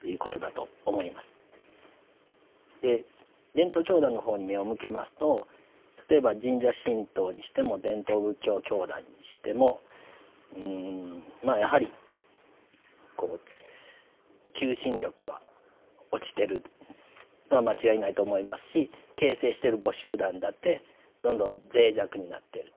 伝統教団の方に目を向けますと例えば神社神道にしても伝統仏教教団にしてもうんまあやはりこう求心力は落ちてるのは間違いないと思いますし形成している母集団だってどんどん脆弱になっている。